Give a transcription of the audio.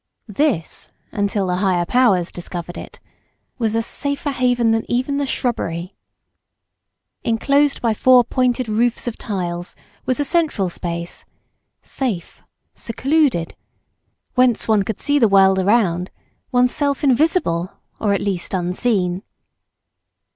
This, until the higher powers discovered it, was a safer haven even than the shrubbery. Enclosed by four pointed roofs of tiles was a central space safe, secluded—whence one could see the world around, oneself invisible, or at least unseen.